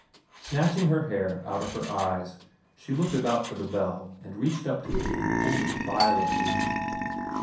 Snatching her hair out of her eyes, she looked about for the bell and reached up to it and pulled it violently.